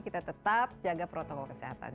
kita tetap jaga protokol kesehatan